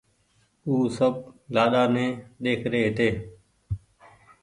او سب لآڏآ ني ۮيک رهي هيتي